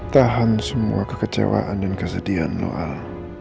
tahan semua kekecewaan dan kesedihan lo al